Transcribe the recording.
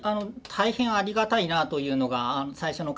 大変ありがたいなというのが最初の感想でして。